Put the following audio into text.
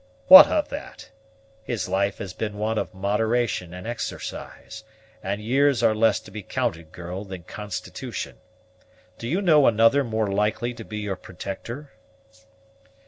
"What of that? His life has been one of moderation and exercise, and years are less to be counted, girl, than constitution. Do you know another more likely to be your protector?"